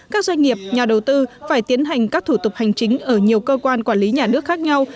các doanh nghiệp nhà đầu tư phải tiến hành các thủ tục hành chính ở nhiều cơ quan quản lý nhà nước khác nhau